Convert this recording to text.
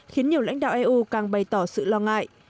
khiến nhiều lãnh đạo eu càng bày tỏ sự lo ngại